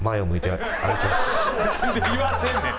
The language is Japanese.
なんで言わせんねん。